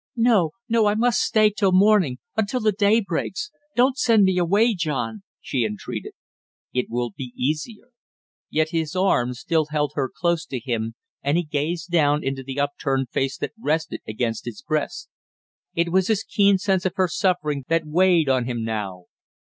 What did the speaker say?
"No, no, I must stay till morning, until the day breaks don't send me away, John!" she entreated. "It will be easier " Yet his arms still held her close to him, and he gazed down into the upturned face that rested against his breast. It was his keen sense of her suffering that weighed on him now.